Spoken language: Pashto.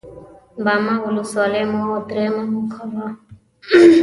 باما ولسوالي مو درېيمه موخه وه.